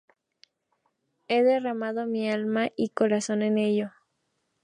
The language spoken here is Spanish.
He derramado mi alma y corazón en ello.